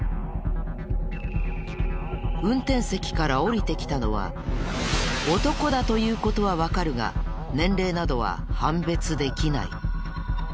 運転席から降りてきたのは男だという事はわかるが年齢などは判別できない。